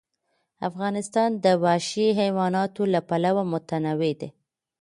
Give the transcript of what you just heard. افغانستان د وحشي حیواناتو له پلوه متنوع دی.